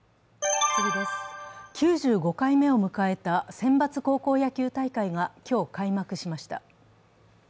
９５回目を迎えた選抜高校野球が今日開幕しました。